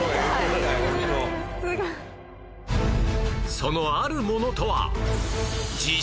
そのあるものとは